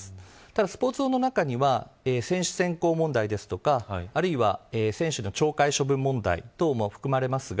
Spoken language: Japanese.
ただ、スポーツ法の中には選手選考問題ですとかあるいは、選手の懲戒処分問題等も含まれます。